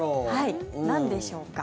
なんでしょうか。